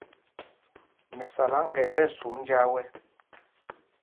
Mɛsáláŋga ɛ tí ɛsum njāā wɛ̄.